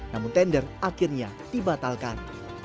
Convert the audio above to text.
namun tender akhirnya dibatalkan